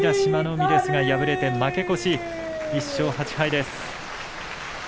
海ですが敗れて負け越し、１勝８敗です。